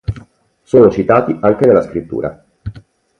Sono citati anche nella scrittura.